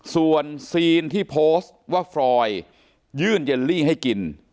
ส่วนซีนที่โพสต์ว่าฟรอยยื่นเยลลี่ให้กิน